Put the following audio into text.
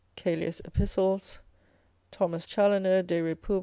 Caelia's epistles, Tho. Chaloner de repub.